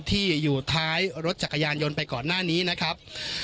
ที่อยู่ท้ายรถจักรยานยนต์ไปก่อนหน้านี้นะครับ